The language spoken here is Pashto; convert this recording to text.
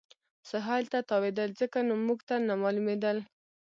سهېل ته تاوېدل، ځکه نو موږ ته نه معلومېدل.